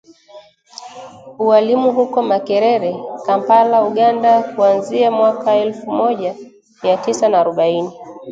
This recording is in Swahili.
ualimu huko Makerere, Kampala, Uganda kuanzia mwaka elfu moja mia tisa na arobaini